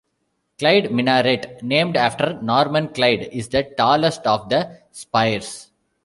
Clyde Minaret, named after Norman Clyde, is the tallest of the spires.